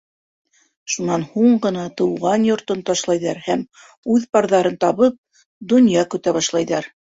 Шунан һуң ғына тыуған йортон ташлайҙар һәм үҙ парҙарын табып, донъя көтә башлайҙар.